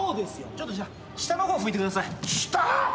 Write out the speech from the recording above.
ちょっとじゃあ下の方拭いてください。下！？